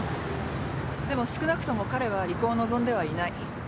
でも少なくとも彼は離婚を望んではいない。